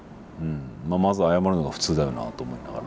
まあまず謝るのが普通だよなと思いながら。